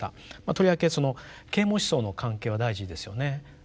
とりわけその啓蒙思想の関係は大事ですよね。